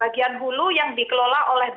bagian hulu yang dikelola oleh